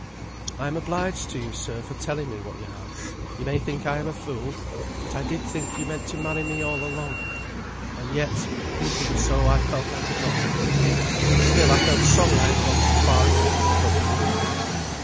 "I am obliged to you, sir, for telling me what you have. You may think I am a fool; but I did think you meant to marry me all along; and yet, thinking so, I felt I could not love you. Still I felt sorry I had gone so far in keeping company with you.